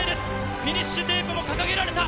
フィニッシュテープも掲げられた。